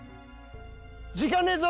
時間ねえぞ！